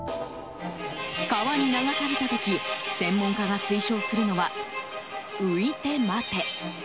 川に流された時専門家が推奨するのは浮いて待て。